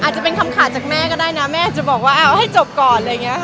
อาจจะเป็นคำขาดจากแม่ก็ได้นะแม่จะบอกว่าให้จบก่อน